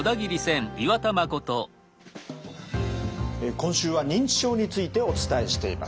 今週は認知症についてお伝えしています。